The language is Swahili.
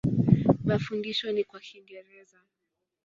Mafundisho ni kwa Kiingereza.